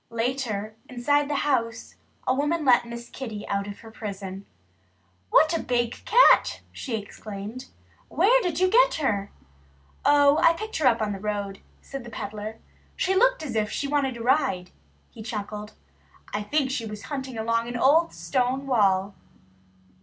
Later, inside the house, a woman let Miss Kitty out of her prison. "What a big cat!" she exclaimed. "Where did you get her?" "Oh, I picked her up on the road," said the peddler. "She looked as if she wanted a ride," he chuckled. "I think she was hunting along an old stone wall."